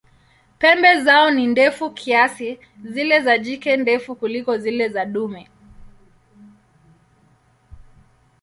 Pembe zao ni ndefu kiasi, zile za jike ndefu kuliko zile za dume.